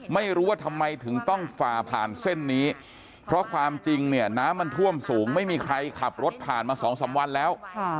ไม่รู้ว่าทำไมถึงต้องฝ่าผ่านเส้นนี้เพราะความจริงเนี่ยน้ำมันท่วมสูงไม่มีใครขับรถผ่านมาสองสามวันแล้ว